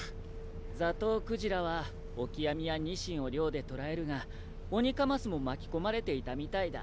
ザトウクジラはオキアミやニシンを漁で捕らえるがオニカマスも巻き込まれていたみたいだ。